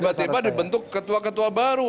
tiba tiba dibentuk ketua ketua baru